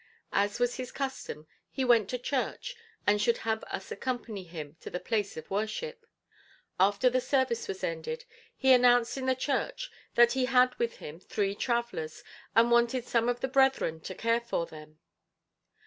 As was his custom, he went to church and should have us accompany him to the place of worship. After the service was ended, he announced in the church that he had with him three travelers, and wanted some of the brethren to care for them.